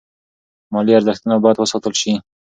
مالي ارزښتونه باید وساتل شي.